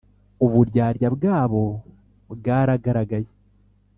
uburyarya bwabo bwaragaragaye